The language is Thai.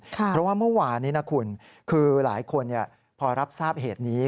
เพราะว่าเมื่อวานนี้นะคุณคือหลายคนพอรับทราบเหตุนี้